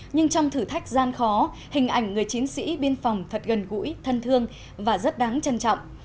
nhưng trong thử thách gian khó hình ảnh người chiến sĩ biên phòng thật gần gũi thân thương và rất đáng trân trọng